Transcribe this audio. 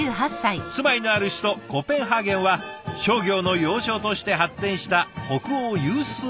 住まいのある首都コペンハーゲンは商業の要衝として発展した北欧有数の大都市。